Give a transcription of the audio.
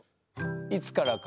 いつからか。